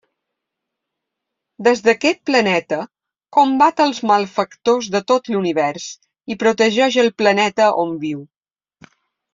Des d'aquest planeta, combat als malfactors de tot l'univers, i protegeix el planeta on viu.